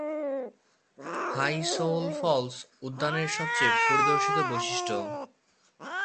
High Shoals Falls উদ্যানের সবচেয়ে পরিদর্শিত বৈশিষ্ট্য।